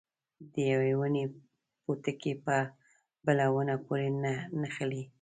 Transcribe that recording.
د یوې ونې پوټکي په بله ونه پورې نه نښلي.